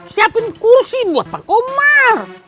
siapin kursi buat pakomar